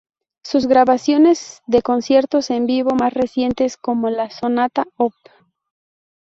Sus grabaciones de conciertos en vivo más recientes como la Sonata op.